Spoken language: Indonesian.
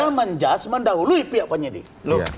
anda menjahat mendahului pihak penyidik